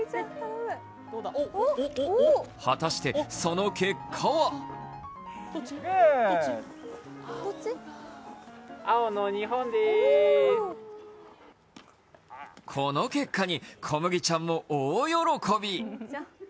果たして、その結果はこの結果にコムギちゃんも大喜び。